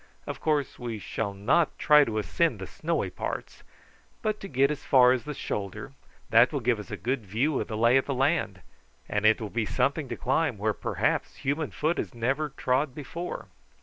"Of course we shall not try to ascend the snowy parts, but to get as far as the shoulder; that will give us a good view of the lay of the country, and it will be something to climb where perhaps human foot has never trod before."